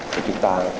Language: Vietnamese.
thì chúng ta